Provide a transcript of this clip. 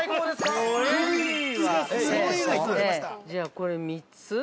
じゃあ、これ３つ。